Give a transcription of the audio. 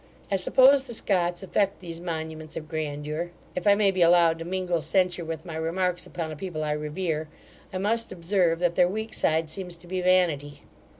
I suppose the Scots affect these monuments of grandeur. If I may be allowed to mingle censure with my remarks upon a people I revere, I must observe, that their weak side seems to be vanity.